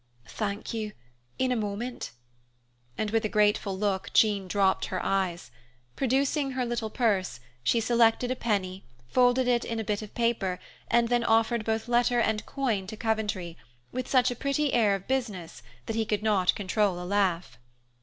"Thank you; in a moment." And with a grateful look, Jean dropped her eyes. Producing her little purse, she selected a penny, folded it in a bit of paper, and then offered both letter and coin to Coventry, with such a pretty air of business, that he could not control a laugh.